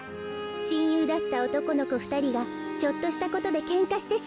しんゆうだったおとこのこふたりがちょっとしたことでけんかしてしまうの。